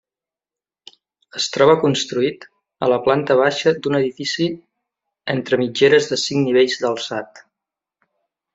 Es troba construït a la planta baixa d'un edifici entre mitgeres de cinc nivells d'alçat.